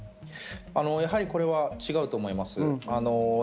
やはりこれは違うと思います。